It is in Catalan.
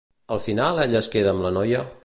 Al final ell es queda amb la noia?